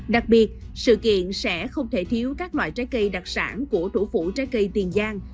đặc biệt sự kiện sẽ không thể thiếu các loại trái cây đặc sản của thủ phủ trái cây tiền giang